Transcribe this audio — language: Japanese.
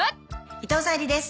伊藤沙莉です。